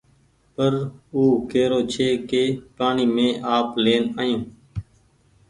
پر او ڪيرو ڇي ڪي پآڻيٚ مينٚ آپ لين آيون